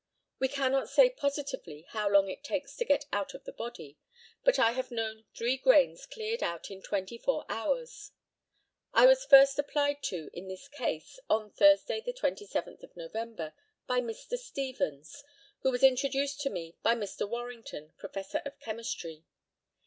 We cannot say positively how long it takes to get out of the body, but I have known three grains cleared out in twenty four hours. I was first applied to in this case on Thursday the 27th of November, by Mr. Stevens, who was introduced to me by Mr. Warrington, Professor of Chemistry.